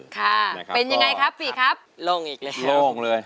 ค่ะเป็นยังไงครับฟี่ครับโล่งอีกเลยโล่งเลย